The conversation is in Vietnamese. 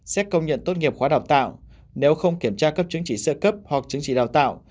xét công nhận tốt nghiệp khóa đào tạo nếu không kiểm tra cấp chứng chỉ sơ cấp hoặc chứng chỉ đào tạo